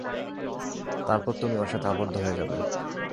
তারপর তুমি ওর সাথে আবদ্ধ হয়ে যাবে।